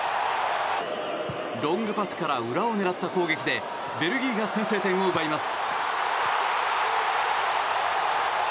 ロングパスから裏を狙った攻撃でベルギーが先制点を奪います。